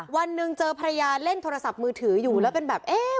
วันหนึ่งเจอภรรยาเล่นโทรศัพท์มือถืออยู่แล้วเป็นแบบเอ๊ะ